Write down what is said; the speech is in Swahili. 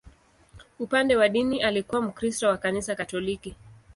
Upande wa dini, alikuwa Mkristo wa Kanisa Katoliki.